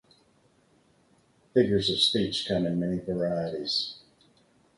Figures of speech come in many varieties.